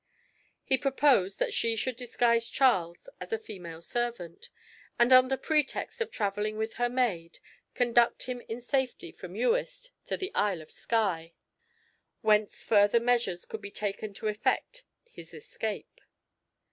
He proposed that she should disguise Charles as a female servant; and under pretext of travelling with her maid, conduct him in safety from Uist to the Isle of Skye; whence further measures could be taken to effect his escape.